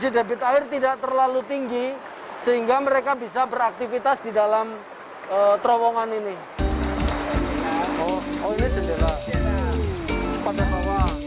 debit air tidak terlalu tinggi sehingga mereka bisa beraktivitas di dalam terowongan ini